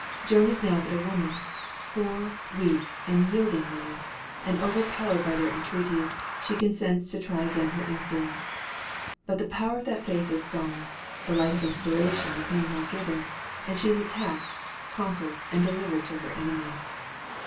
Joan is now but a woman, poor, weak, and yielding woman; and overpowered by their entreaties, she consents to try again her influence. But the power of that faith is gone, the light of inspiration is no more given, and she is attacked, conquered, and delivered to her enemies.